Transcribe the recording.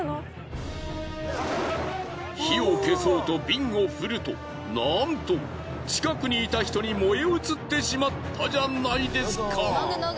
火を消そうとビンを振るとなんと近くにいた人に燃え移ってしまったじゃないですか。